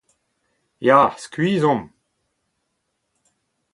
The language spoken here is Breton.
Ya, skuizh omp.